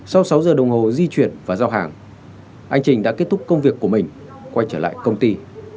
sau sáu giờ đồng hồ di chuyển và giao hàng anh trình đã kết thúc công việc của mình quay trở lại công ty